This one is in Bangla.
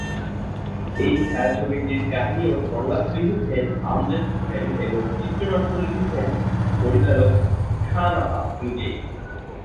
এই ছায়াছবিটির কাহিনী ও সংলাপ লিখেছেন আমজাদ হোসেন এবং চিত্রনাট্য লিখেছেন পরিচালক খান আতা নিজেই।